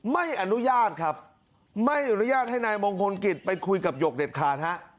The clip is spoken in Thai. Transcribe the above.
ไม่อนุญาตครับไม่อนุญาตให้นายมงคลกิจไปคุยกับหยกเด็ดขาดฮะ